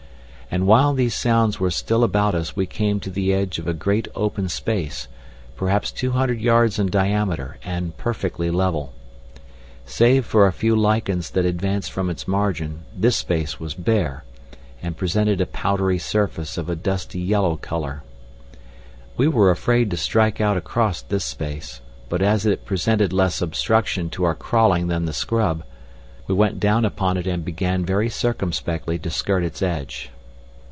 And while these sounds were still about us we came to the edge of a great open space, perhaps two hundred yards in diameter, and perfectly level. Save for a few lichens that advanced from its margin this space was bare, and presented a powdery surface of a dusty yellow colour. We were afraid to strike out across this space, but as it presented less obstruction to our crawling than the scrub, we went down upon it and began very circumspectly to skirt its edge.